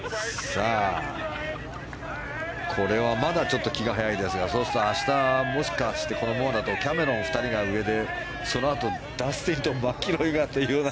これはまだちょっと気が早いですがそうすると明日、もしかしてこのままだとキャメロン２人が上でそのあとダスティンとマキロイがという。